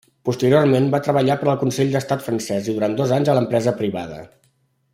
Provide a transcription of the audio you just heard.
Posteriorment va treballar per al Consell d'Estat francès i durant dos anys a l'empresa privada.